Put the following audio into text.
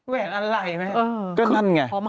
แหวนอะไล่ไหม